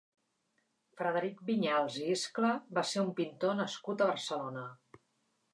Frederic Viñals i Iscla va ser un pintor nascut a Barcelona.